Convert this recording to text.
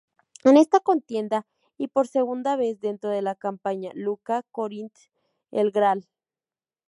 En esta contienda, y por segunda vez dentro de la Campaña Iuka-Corinth, el Gral.